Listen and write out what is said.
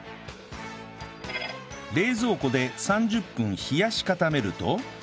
冷蔵庫で３０分冷やし固めると